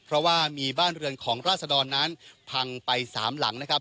เพราะว่ามีบ้านเรือนของราศดรนั้นพังไป๓หลังนะครับ